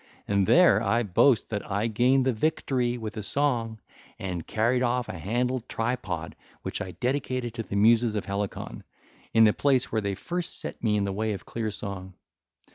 And there I boast that I gained the victory with a song and carried off an handled tripod which I dedicated to the Muses of Helicon, in the place where they first set me in the way of clear song.